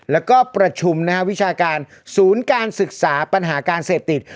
แล้วก็ประชุมวิชาการศูนย์การศึกษาปัญหาการเสพติด